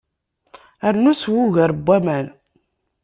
Rnu sew ugar n waman.